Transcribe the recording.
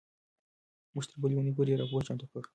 موږ به تر بلې اونۍ پورې راپور چمتو کړو.